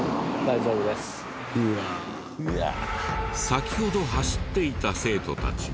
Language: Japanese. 先ほど走っていた生徒たちも。